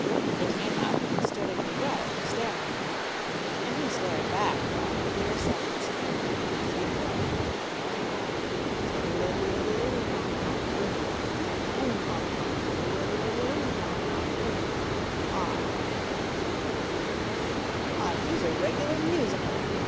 They came up and stood in a row, staring at him, and he stared back while the queer sounds came from him as before: Tiddle iddle iddle, oom pom pom, Oom, pom pom; oom pom pom! Tiddle widdle iddle, oom pom pom, Oom, pom pom pah! "Why, he's a reg'lar musicker!"